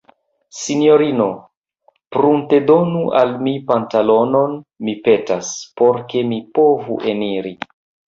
Sinjorino, pruntedonu al mi pantalonon, mi petas, por ke mi povu eniri.